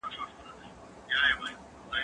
زه کولای سم کتابتون ته ولاړ سم!.